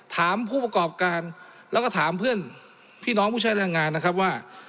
ถามผู้ประกอบการแล้วก็ถามเพื่อนพี่น้องผู้ใช้แรงงานนะครับว่า